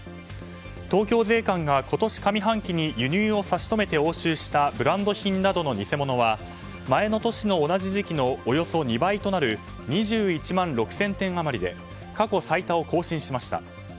東京税関が今年上半期に輸入を差し止めて押収したブランド品などの偽物は前の年の同じ時期のおよそ２倍となる２１万６０００点余りで過去最多を更新しました。